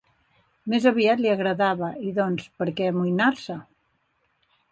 Més aviat li agradava, i doncs per què amoïnar-se